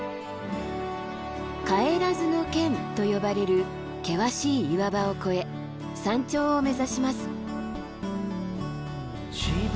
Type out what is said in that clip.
「不帰ノ嶮」と呼ばれる険しい岩場を越え山頂を目指します。